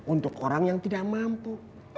untuk orang yang tidak mampu